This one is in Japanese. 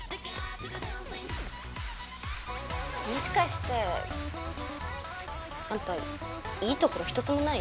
もしかしてアンタいいところ一つもない？